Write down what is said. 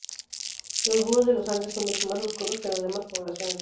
Los búhos de los Andes son mucho más oscuros que las demás poblaciones.